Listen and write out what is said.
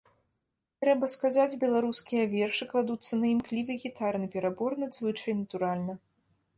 Трэба сказаць, беларускія вершы кладуцца на імклівы гітарны перабор надзвычай натуральна.